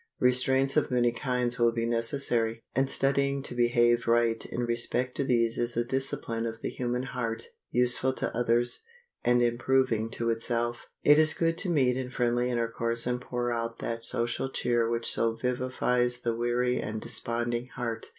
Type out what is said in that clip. Restraints of many kinds will be necessary, and studying to behave right in respect to these is a discipline of the human heart useful to others and improving to itself. It is good to meet in friendly intercourse and pour out that social cheer which so vivifies the weary and desponding heart.